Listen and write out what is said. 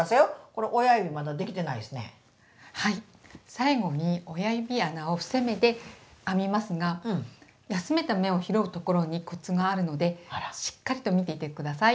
最後に親指穴を伏せ目で編みますが休めた目を拾うところにコツがあるのでしっかりと見ていてください。